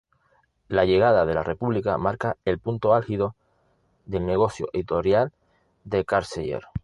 La llegada de la República marca el punto álgido del negocio editorial de Carceller.